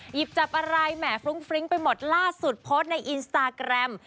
หยิบจับอะไรแหมฟรุ้งฟริ้งไปหมดล่าสุดโพสต์ในอินสตาแกรม